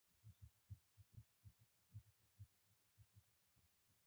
• نړیوالتوب د اقتصادونو د یوځای کېدو پروسه ده.